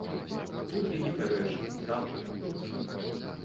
Тут я не пярэчыў, сам пра такое чуў.